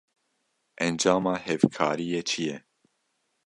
Encama hevkariyê çi ye?